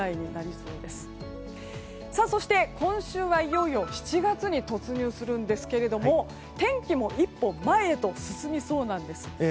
そして、今週はいよいよ７月に突入するんですが天気も前へ１歩進みそうなんです。